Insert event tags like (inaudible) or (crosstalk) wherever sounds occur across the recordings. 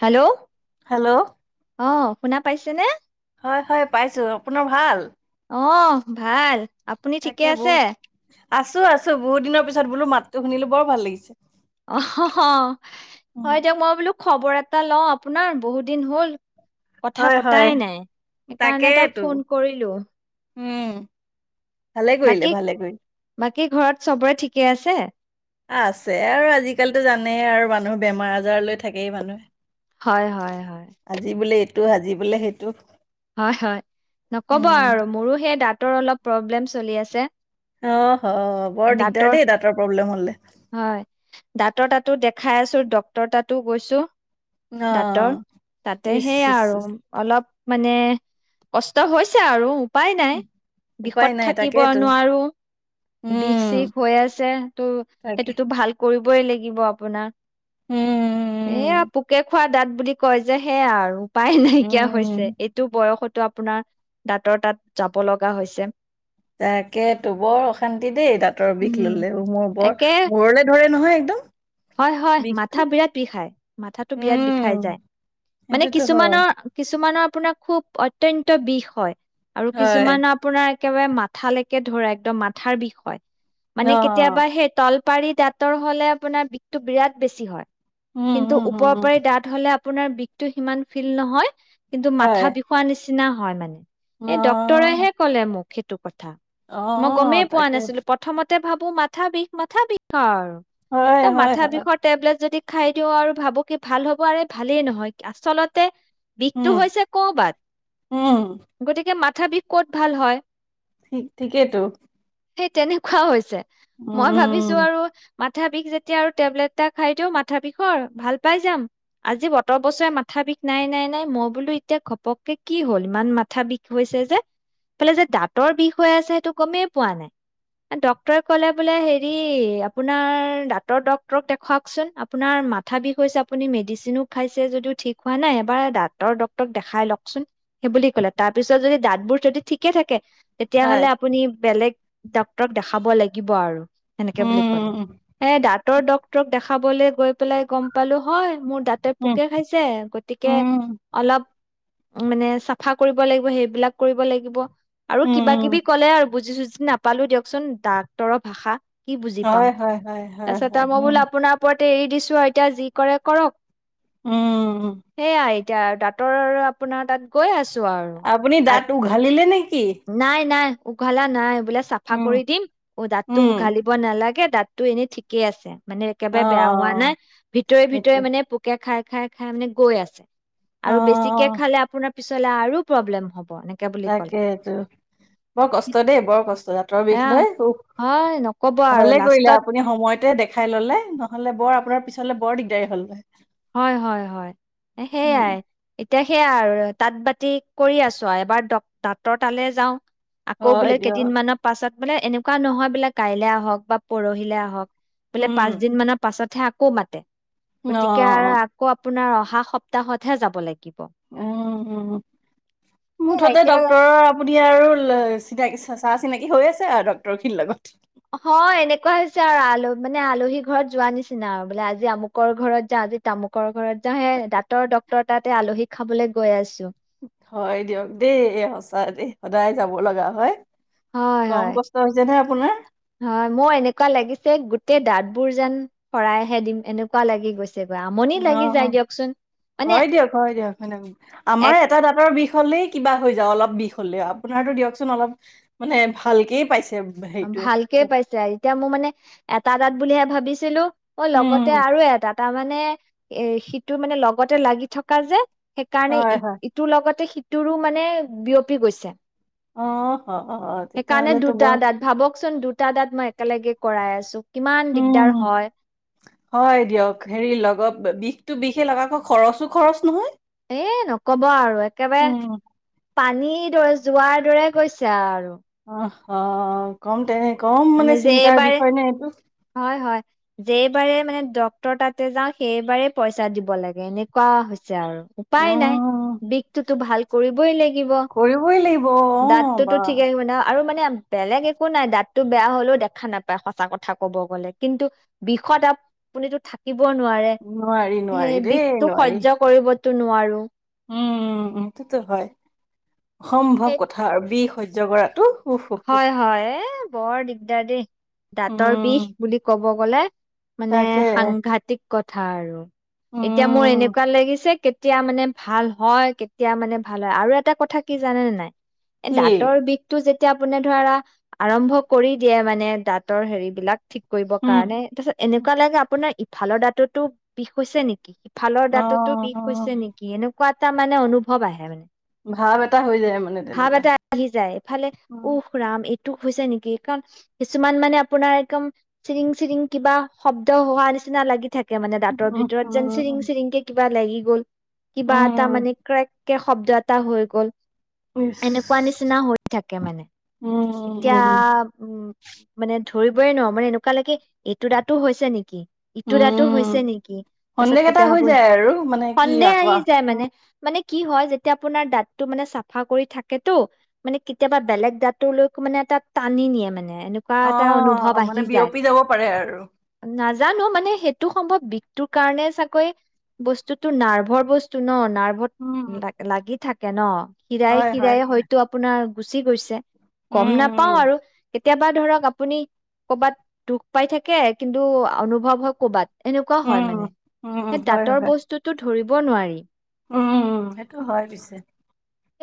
Hello, hello আহ। শুনা পাইছেনে। হয়, হয় পাইছো। আপোনাৰ ভাল। অ, ভাল। আপুনি ঠিকে আছে? আছোঁ, আছোঁ বহুত দিনৰ পিছত বোলো মাততো শুনিলো বৰ ভাল লাগিছে। অ, উম হয় দিয়ক। মই বোলো খবৰ এটা ল আপোনাৰ বহুত দিন হ'ল। কথা হয় হয় পতাই নাই সেইকাৰণে তাক ফোন কৰিলো। হে। বাকী, বাকী ঘৰত চবৰে ঠিকে আছে। আছে। আৰু আজিকালিতো জানেই আৰু মানুহ বেমাৰ আজাৰ লৈ থাকেই মানুহে। হয়, হয়, হয়। টো সাজি বোলে সেইটো হয় হয় নকব উম। আৰু মোৰোঁ সেই দাঁত ৰ অলপ প্ৰব্লেম চলি আছে। অ' অ' বৰ দিগদাৰ দেই দাঁতৰ প্ৰব্লেম হ'লে। হয় দাঁতৰ তাতোঁ গৈছোঁ অ দাঁতৰ তাতে ইচ সেইয়া ইচ আৰু ইচ। অলপ মানে কষ্ট হৈছে আৰু উপ উপায় নাই উপায় বিষত নাই থাকিব তাকেইতো নোৱাৰো বিষ উম চিষ হৈ আছে ত' তাকে সেইটোতো ভাল কৰিবই লাগিব আপোনাৰ এয়া উম পোকে খোৱা দত বুলি কয় যে সেয়া আৰু পাই উম নাইকিয়া উম। হৈছে এইটো বয়সত টো আপোনাৰ দাঁতৰ তাত যাব লগা হৈছে তকে তটো বৰ অশান্তি দেই দাঁতৰ বিষ উম ললে মোৰ বৰ একে মূৰলে ধৰে নহয় একদম হয় হয় মাথা বিষটো বিৰাট বিষাই মাথাটো বিৰাট বিষাই উম যায় মানে সেইটোতো হয় কিছুমানৰ কিছুমানৰ আপোনাৰ খুব অত্য়ন্ত বিষ হয় আৰু হয় কিছুমান আপোনাৰ একেবাৰে মাথালৈকে ধৰে একদম মাথাৰ বিষয় অ মানে কেতিয়াবা সেই তল পাৰি দাঁতৰ হ'লে আপোনাৰ টো বিৰাট বেছি হয় উম কিন্তু উম উম ওপৰৰ উম, পাৰি দাঁত হ'লে আপোনাৰ বিষতটো সিমান ফিল নহয় কিন্তু হয় মাথা বিষুৱ নিছে নিচিনা হয় মানে অ এ ডক্টৰেহে ক'লে মোক অ (unintelligible) মই গমেই পোৱা তাকে নাছিলো প্ৰথম তাতে ভাবো মাথা বিষ মাথা বিষ হয় এ হয় মাথা হয় বিষৰ টেবলেট যদি খাই দিও আৰু ভাবো কি ভাল হ'ব আৰুৰে ভালেই নহয় আচলতে বিষটো উম হৈছে উম কবাত গতিকে মাত তথাপি ক'ত ভাল হয় ক্ ঠিকেইেতো সেই তেনেকুৱাও হৈছে মই ভাবিছো আৰু মাথা বিষ যে এতিয়া আৰু টেবলেট এটা খাই দিও মাথা বিষৰ ভাল পাই যাম আজি বতৰ বছৰে মাথা বিষ নাই নাই নাই মই বোলো। এতিয়া ঘপককে কি হ'ল ইমান মাথা বিষ হৈছে। যে ফালে যে দাঁতৰ বিষ হৈ আছে সেইটো গমেই পোৱা নাই ডটৰে কলে বোলে হেৰি আপোনাৰ দাঁ ডৰ ডক দেখুৱোন আপোনাৰ মা বিষ আপু মেডিচিনো যদিও হ নাইবাৰৰ। তেতিয়া হয় হ'লে আপুনি বেলেগ। ডাক্তৰক দেখাব লাগিব আৰু। সেনেকে বুলি ক'লে উম এ দ। ডঃ। দেখাবলৈ গৈ। (unintelligible) পেলাই গম পালো হয় মোৰ দাঁতে উম পোকে খাইছে গতিকে উম অলপ। মানে চাফা কৰিব লাগিব সেইবিলাক কৰিব লাগিব। আৰু উম কিবা কিবি কলে আৰু বুজিছুজি। নাপালো দিয়কচোন ডাক্তৰৰ ভাষা। হয়, হয়, হয়্ তাৰিছততে মই বোল আপোনাৰ পৰত। এৰি দিছো আৰু এতিয়া যি কৰে কৰক। উম সেয়া এইতিয়া। আপোনাৰ তাত গৈ আছো আৰু আপুনি দাঁত উঘালিলে নে? নাই, নাই। উঘালা নাই। বিলাক চাফা উম কৰি দিম অ দাঁতটো উম উঘালিব নালাগে। দাঁতটো এনেই ঠিকেই আছে। মানে একেবাৰে বেয়া হোৱা অ নাই ভিতৰে ভিতৰে সেইটোৱে মানে পোকে খাই। খাই খাই মানে গৈ আছে। অ আৰু বেছিকে খালে আপোনাৰ পিছত। চলা আৰু প্ৰব্লেম হ'ব। এনেকে বুলি ক'লে। স বৰ কষ্ট দেই বৰ কষ্ট জাতৰ বিষ এয়া লৈ উখ হয় নকব আৰু ভালে কৰিলে লাষ্টত আপুনি সময়তে দেখাই ললে নহলে বৰ আপোনাৰ। পিছলৈ বৰ দিগদাৰ হলগৈ। হয়, হয়, হয় উম, সেইয়াই। এতিয়া সেয়া আৰু তাঁত বাতি কৰি আছো আৰু এবাৰ দাঁতৰ তালৈ যাওঁ। আকৌ হয় বোলে দিয়ক কেইদিনমানানৰ পাছত। বোলে এনেকুৱা নহয় বোলে কাইলে আহক বা পৰহিলে আহক। বোলে উম পাঁচ দিন মানৰ পাছত। থাকো মাতে অ গতিকে অ', আকৌ আপোনাৰ অহা সপ্তাহতহে যাব লাগিব উ উ এয়া মুঠতে এতিয়া ডকটৰৰ আপুনি আৰু চিনা চা চিনাকি হৈ আছে আৰু ড্ক্তৰ খিনিৰ লগত অ এনেকুৱা হৈছে আৰু আল মানে আলহী ঘৰত যোৱা নিচিনা আৰু বোলে আজি আমুকৰ ঘৰত যাওঁ আজি তামুকৰ ঘৰত তহে দাঁতৰ ড উৰ তাতে আলহী খাবলৈ গৈ আছো হয় দিয়ক দেই সচা দেই সদায় যাব লগা হয় হয় কম হয় কষ্ট হৈছে নে আপোনাৰ হয় মোৰ এনেকুৱা লাগিছে গ তে দাঁত বোৰ যেন শৰাইহে দিম এনেকুৱা লাগি গৈছে অ অ মানে হয় দিয়ক হয় দিয়ক আমাৰ এক এটা দাঁতৰ বিষ হ'লে কিবা হৈ যাওঁ অলপ বিষ হলে আপোনাৰতো দিয়কচোন অলপ মানে ভালকে পাইছে হেৰিটোৱে ভালকে পাইছে এতিয়া মোৰ মানে এটা দাঁত বুলিহে ভাবিছো তিলো অ লগতে উম আৰু এটা তাৰ মানে এ সিটো মানে লগতে লাগি থকা যে সেইকাৰণে হয় ই হয় ইটোৰ লগতে সি তোৰো মানে বিয়পি গৈছে অ অ তেতিয়াহলেতো বৰ ককচোন দুটা দাত মই একেলগে কৰাই আছো কিমান দিগদাৰ উম হয়। হয় দিয়ক হেৰি লগত বিষ তটো বিষে লগা কৈ খৰচো খৰচ নহয় এ নকব আৰু একেবাৰে উম পানী কিদৰে যোৱাৰ দৰে কৈছো আৰু অ অ কমতে কম মানে চিন্তাৰ বিষয় নে এইটো যেইবাৰ মানে ডক্তৰ তাতে যাওঁ সেইবাৰেই পইচা দিব লাগে এনেকুৱা হৈছে আৰু উপায় নাই উম বিষটোতো ভাল কৰিবই লাগিব কৰিবই লাগিব অ দাঁতটোতো বা ঠিকে থাকিব ন আৰু মানে বেলেগ একো নাই দাঁত বেয়া হলেও দেখা নাপায় সঁচা কথা ক'ব গলে কিন্তু বিষত আপুনিতো থাকিব নোৱাৰে নোৱাৰি নোৱাৰি সেই দেই বিষটো নোৱাৰি সহ্য কৰিব ত নোৱাৰোঁ। উম' এতোটো হয়। অসম্ভৱ সেই কথা আৰু বিষ। সহ্য কৰাটো উফ উফ উফ হয়, হয়, এই বৰ দিগদাৰ দেই দাঁতৰ বিষ উম বুলি ক'ব। কলে? মানে তাকে সাংঘাতিক কথা আৰু এতিয়া মোৰ উম এনেকুৱা লাগিছে কে কেতিয়া মানে ভাল হয়, কেতিয়া মানে ভাল হয় আৰু এটা কথা কি জানেনে নাই? এ কি দাঁতৰ বিষটো যেতিয়া এতিয়া আপুনি ধৰা আৰম্ভ কৰি দিয়ে মানে দাঁতৰ হেৰি বিলাক ঠিক কৰিব উম কাৰণে তাৰপিছত এনেকুৱা লাগে আপোনাৰ ভালৰ দাঁতটো বিষ হৈছে নেকি? ভালৰ অ দাঁততো বিষ অ হৈছে নেকি? এনেক এনেকুৱা এটা মানে অনুভৱ আহে মানে। ভাৱ এটা হৈ যায় মানে তেনেকুৱা। উ কাম এইটো হৈছে নেকি? কাৰণ কিছুমান মানে আপোনাৰ একদম চিৰিং চিৰিং কিবা শব্দ হোৱা নিচিনা লাগি থাক কে মানে দাঁতৰ উম ভিতৰত উম যেন, উম চিৰিং, চিৰিং কে কিবা লাগি (inaudible) কিবা এটা উম, মানে, ক্ৰেক কে শব্দ এটা হৈ গ'ল। ইচ এনেকুৱা নিচিনা হৈ থাকে মানে। উম, হ, উম। উ, মানে ধৰিবই নোৱাৰোঁ, মানে এনেকুৱা লাগে, এইটো দাঁতো হৈছে নেকি! ইটো দাঁতো হৈছে উম নেকি? তাৰপিছত সন্দেহ এটা কেতিয়া হৈ ভাবো, যায় আৰু মানে কি সন্দেহ আকৌ আহি যায় মানে, মানে কি হয়, যেতিয়া আপোনাৰ দাঁতটো মানে চাফা কৰি থাকেতটো, মানে কেতিয়াবা বেলেগ দাঁত টোলৈ মানে এটা, টানি নিয়ে মানে। এনেকুৱা অ এটা অনুভৱ মানে আহি যায়। বিয়পি যাব পাৰে আৰু নাজানো, মানে সেইটো সম্ভৱ বিষটোৰ কাৰণে চাগৈ, বস্তুতো নাৰ্ভৰ বস্তু ন! নাৰ্ভত উম লাগ-লাগি থাক কে ন খীৰায় হয় হয় খীৰায়ে হয় হয়তো আপোনাৰ গুচি গৈছে গম নাপাও উম আৰু কেতিয়াবা ধৰক আপুনি কবাত দুখ পাই থাকে, কিন্তু অনুভৱ হয় কবাত এনেকুৱা উম হয় মানে। উম উম সেই হয় দাঁতৰ হয় বস্তুটো ধৰিব নোৱাৰি উম সেইটো হয় পিছে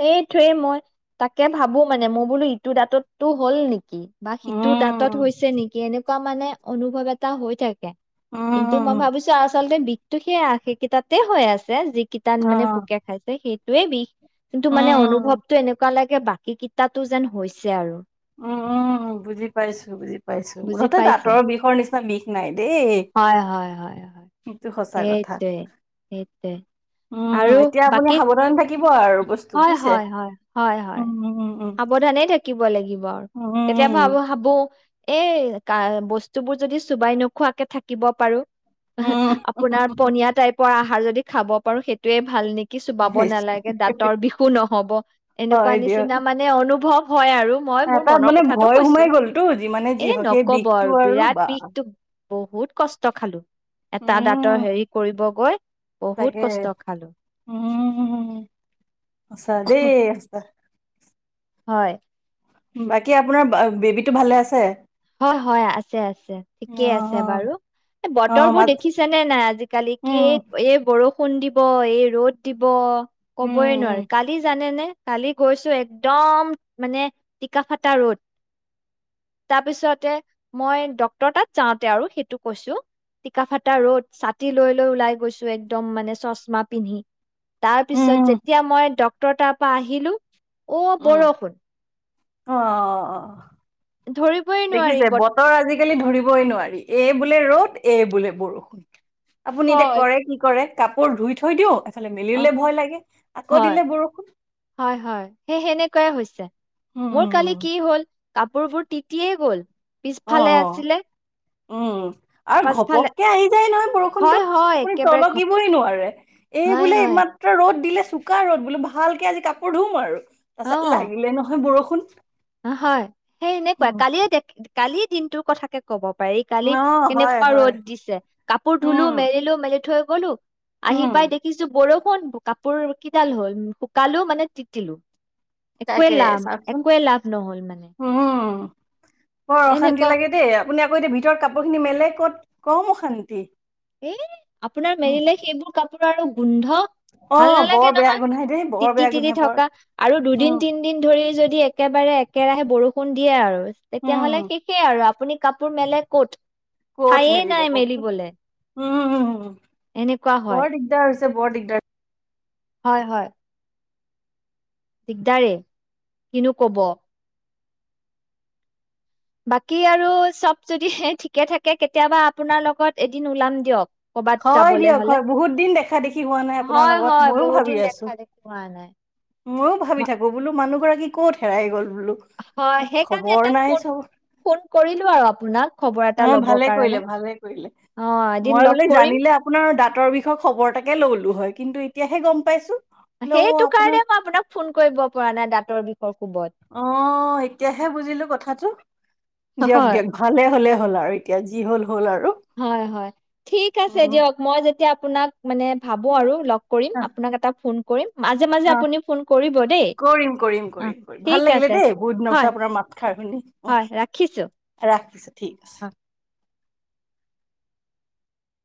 এইটোৱেই মই তাকে ভাবো মানে মই বোলো ইটো দাঁততো হ'ল নেকি কি বা সিটোৰ দাঁতত উম হৈছে নেকি এনে এনেকুৱা মানে অনুভৱ এটা হৈ থাকে কিন্তু মই উম, ভাবিছো আচালতে টো সেইয়া সেইকেইটাতে হৈ আছে যি কিতান মানে অ', পোকে খাইছে সেই ে (unintelligible) কিন্তু উম, মানে উম, অনুভৱটো এনেকুৱা লাগে বাকী কিটাটো যেন হৈছে আৰু উম উম বুজি পাইছো বুজি পাইছো বুজি মুঠতে পাইছে দাতৰ বিষৰ নিচিনা বিষ নাই দেই, হয় হয় হয় হয়, সেইটো সঁচা কথা। সেইটোৱে, সেইটোৱে উম, উম, আৰু এতিয়া আপুনি বাকী সাৱধান থাকিব আৰু বস্তু হয় বুজিছে। হয় হয় হয় হয় উম, উম, উম, সাৱধানে থাকিব লাগিব উম, উম, কেতিয়াবা ভাবো এ কা বস্তুবোৰ যদি চোবাই নোখোৱাকে থাকিব পাৰো উম। আপোনাৰ পনীয়া টাইপৰ আহাৰ যদি খাব পাৰো সেইটোয়ে ভাল নেকি কিছু বাব সেইটোৱে। নালাগে দাঁত বিষু নহ'ব এনেকুৱা হয় দিয়ক, নিচিনা মানে অ- অনুভৱ হয় আৰু মই মোৰ এটা মনৰ মানে কথাটো ভয় কৈছো। সোমাই গ'লতো যিমানে যি এ হওক সেই নকব বিষটো আৰু বিৰাট বা বিষটোক বহুত কষ্ট খালো। এটা দাঁতৰ উম, হেৰি কৰিব গৈ তাকে বহুত কষ্ট খালো। সছা দেই সছা হয় বাকী আপোনাৰ বেবীটো ভালে আছে হয় হয় আছে আছে ঠিকে আছে অ', বাৰু অ বতৰ বোৰ মাত দেখিছে নে নাই আজিকালি কি উম এই এই বৰষুণ কু দিব এই ৰ'দ দিব উম কবয় নোৱাৰি কালি জানে নে কালি গৈছো একদম মানে টিককাফটা ৰোদ তাৰ পিছতে মই ড্টৰ তাত যাওঁতে আৰু সেইটো কৈছো টিককাফটা ৰ'দ ছাতি লৈ লৈ ওলাই গৈছো একদম মানে চশমা পিন্ধি তাৰ উম পিছত উম যেতিয়া মই অ ত পৰা আহিলো অ বৰষুণ আহ অ ধৰিবই নোৱাৰি দেখিছে বত বতৰ আজিকালি ধৰিবই নোৱাৰি এই এই বোলে ৰ'দ এই বোলে বৰষুণ আপুনি এতিয়া হয় কৰে কি কৰে কাপোৰ ধুই থৈ দিওঁ এফালে অ মেলিলে ভয় লাগে আকৌ হয় দিলে বৰষুণ হয় হয় সেই সেনেকুৱাই হৈছে উম মোৰ উম উম, কালি কি হ'ল কাপোৰবোৰ তিতিয়েই গ'ল পিছফালে আছিলে উ আৰু পাছফালে ঘপককে আহি যায় নহয় বৰষুণতো হয়, হয়, আপুনি একেবাৰে ঘপ তলকিবই নোৱাৰে এই হয়, বোলে হয়। একমাত্ৰ ৰ'দ দিলে চোকা ৰ'দ বোলো ভালকে আজি কাপোৰ ধুম আৰু তাৰপাছত লাগিলে নহয় বৰষুণ কোন অ হয় সেই এনেকুৱা কালিয়ে কালিৰ দিনটোৰ কথাকে ক'ব পাৰি কালি অ হয় কেনেকুৱা হয় ৰ'দ দিছে কাপোৰ ধুলো উম মেলিলো মেলি থৈ কলো আহি উম পাই দেখিছো বৰষু কোন কাপোৰ কিডাল হ'ল শুকালো মানে তিতিলো একোৱে তাকে লাম একোই লাভ হ'ল মানে অম বৰ অশান্তি এনেকুৱা লাগে দেই আপুনি আকৌ এতিয়া ভিতৰত কাপোৰ খিনি মেলে ক'ত কম শন্ত এ আপোনাৰ মেৰিলোই সেইবোৰ কাপোৰ গু ধ অ ভাল বৰ নালাগে বেয়া নহয় গোন্ধাই দেই বৰ তিতি বেয়া তিতি গোন্ধাই বৰ থকা আৰু দুদিন উম তিনদিন ধৰি যদি একেবাৰে একেৰাহে বৰষুণ দিয়ে আৰু তেতিয়াহলে উম শিকে আৰু আপুনি ক ৰ মেলে ক'ত ক'ত খায়ে মেলিব নাই কওকচোন মেলিবলে উম হু হু এনেকুৱা হয় বৰ দিগদাৰ হৈছে ব ডিগদাৰ হয় হয় দিগদাৰে কিনো কব বাকী আৰু চব যদি ঠিকে থাকে কেতিয়াবা আপোনাৰ লগত এদিন ওলাম দিয়ক কৰ'বাত হয় যাবলে দিয়ক হলে হয় বহুত দিন দেখা দেখি হোৱা নাই আপোনাৰ হয় লগত হয় ময়ো বহুত ভাবি দিন আছো দেখা দেখি হোৱা নাই ময়ো ভাবি থাকো বোলো মানুহগৰাক কি কত হেৰাই গ'ল বোলো হয় সেইকাৰণে খবৰ এটা নাই ফোন চব ফোন কৰিলো আৰু আপোনাক খবৰ এটা অ ল'বৰ ভালে কাৰণে। কৰিলে ভালে কৰিলে অ', এদিন মই লগ বোলে কৰিম। জানিলে আপোনাৰ দ তৰ বিষয়ে খবৰ এতাকে ললো হয় কিন্তু এতিয়াহে গম পাইছো বোলে অ সেইটো আপোনাৰ কাৰণে মই আপোনাক ফোন কৰিব পৰা নাই দাঁতৰ বিষয় কব অ এতিয়াহে বুজিলো কথাটো দিয়ক হয়, দিয়ক ভালে হলে হ'ল আৰু এতিয়া যি হ'ল হ'ল আৰু হয় হয় ঠিক আছে উম দিয়ক মই যেতিয়া আপোনাক মানে ভাবো আৰু কৰিম আহ আপোনাক এটা ফোন কৰিম মাজে মাজে আহ আপুনি ফোন কৰিব দেই। কৰিম কৰিম অ', কৰিম কৰিম ঠিক ভাল লাগিলে আছে। দেই বহুত দিনৰচ হয়, আপোনাৰ মাতখাৰ শুনি হয়, আহ ৰাখিছো। অ'। ৰাখিছো ঠিক আছে